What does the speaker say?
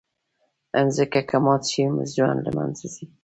مځکه که ماته شي، ژوند له منځه ځي.